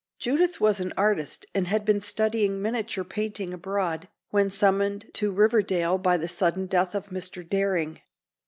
Judith was an artist and had been studying miniature painting abroad when summoned to Riverdale by the sudden death of Mr. Daring.